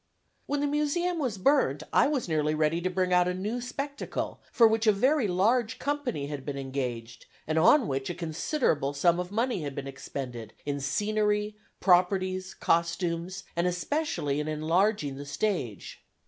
When the Museum was burnt, I was nearly ready to bring out a new spectacle, for which a very large extra company had been engaged, and on which a considerable sum of money had been expended in scenery, properties, costumes, and especially in enlarging the stage.